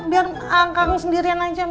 biar kang sendirian aja mino